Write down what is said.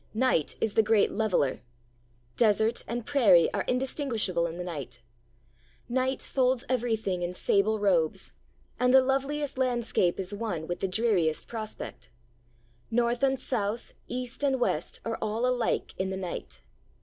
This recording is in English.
Night is the great leveller. Desert and prairie are indistinguishable in the night. Night folds everything in sable robes, and the loveliest landscape is one with the dreariest prospect. North and South, East and West, are all alike in the night.